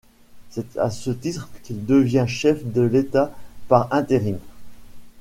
C'est à ce titre qu'il devient chef de l'État par intérim.